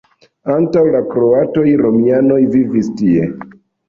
Antaŭ la kroatoj romianoj vivis tie.